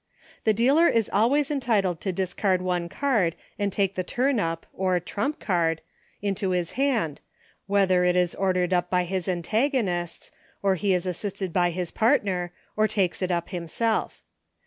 The dealer is always entitled to discard one card and take the turn up, or trump card, into his hand, whether it 88 EUCHRE. is ordered up by his antagonists, or lie is as sisted by his partner, or takes it up himself.